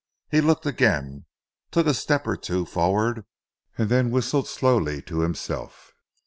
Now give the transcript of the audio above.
He looked again, took a step or two forward, and then whistled slowly to himself.